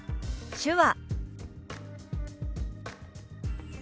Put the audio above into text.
「手話」。